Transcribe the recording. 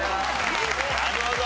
なるほど。